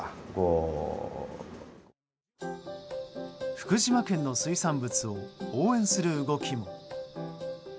福島県の水産物を応援する動きも。